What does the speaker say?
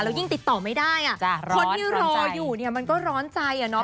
แล้วยิ่งติดต่อไม่ได้อ่ะคนที่รออยู่มันก็ร้อนใจอ่ะเนอะ